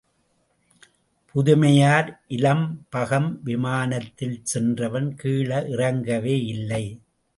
பதுமையார் இலம்பகம் விமானத்தில் சென்றவன் கீழே இறங்கவே இல்லை.